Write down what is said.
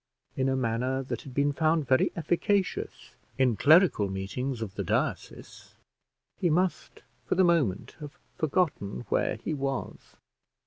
in a manner that had been found very efficacious in clerical meetings of the diocese. He must for the moment have forgotten where he was.